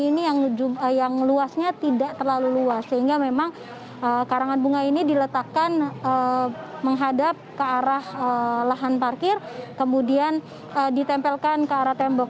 ini yang luasnya tidak terlalu luas sehingga memang karangan bunga ini diletakkan menghadap ke arah lahan parkir kemudian ditempelkan ke arah tembok